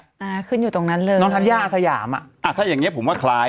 อ่าขึ้นอยู่ตรงนั้นเลยน้องธัญญาอาสยามอ่ะอ่าถ้าอย่างเงี้ผมว่าคล้าย